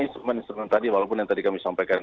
instrumen instrumen tadi walaupun yang tadi kami sampaikan